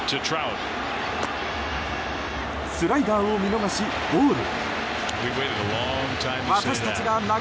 スライダーを見逃し、ボール。